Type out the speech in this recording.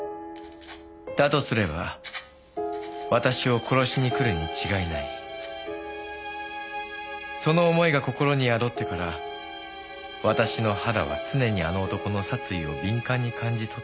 「だとすれば私を殺しに来るに違いない」「その思いが心に宿ってから私の肌は常にあの男の殺意を敏感に感じとっている」